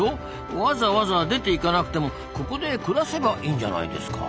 わざわざ出ていかなくてもここで暮らせばいいんじゃないですか？